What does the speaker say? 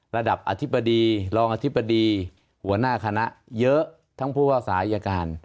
ระดับอธิบดีรองอธิบดีหัวหน้าคณะเยอะทั้งผู้ว่าสายการ